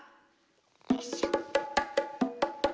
よいしょ。